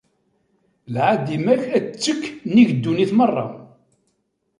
Lɛaḍima-k ad d-tekk nnig n ddunit merra.